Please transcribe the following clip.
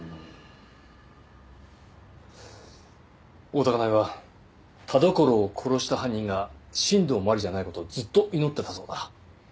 大多香苗は田所を殺した犯人が新道真理じゃない事をずっと祈ってたそうだ。